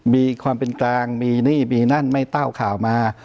มีความเป็นกลางมีหนี้มีนั่นไม่เต้าข่าวมา